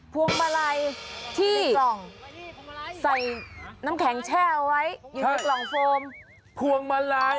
พวงมาลัยที่ใส่น้ำแข็งแช่เอาไว้อยู่ในกล่องโฟม